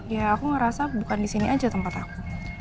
ya aku ngerasa bukan di sini aja tempat aku